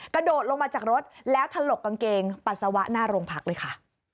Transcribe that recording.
กระโดดลงมาจากรถแล้วถลกกางเกงปัสสาวะหน้าโรงพักเลยค่ะ